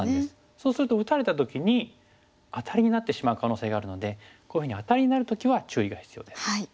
そうすると打たれた時にアタリになってしまう可能性があるのでこういうふうにアタリになる時は注意が必要です。